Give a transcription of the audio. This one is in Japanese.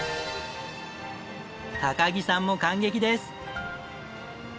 高城さんも感激です！